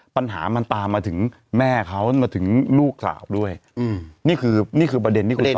ปัญหามันตามมาถึงแม่เขามาถึงลูกสาวด้วยอืมนี่คือนี่คือประเด็นที่คุณ